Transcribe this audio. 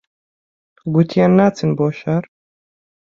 گوتیان ناچن بۆ شار